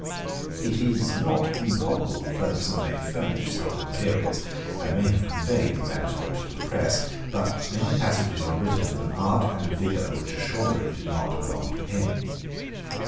It is not improbable that Ferguson may have furnished some of the materials, and may have conveyed the manuscript to the press. But many passages are written with an art and a vigour which assuredly did not belong to him.